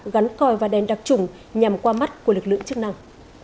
gắn còi và đèn đặc trùng nhằm qua mắt của lực lượng chức năng